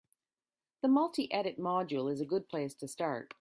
The multi-edit module is a good place to start.